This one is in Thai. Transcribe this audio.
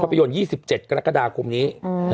ของภาพยนตร์๒๗กรกษ์กรมนี้